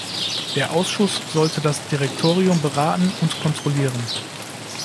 Der Ausschuss sollte das Direktorium beraten und kontrollieren.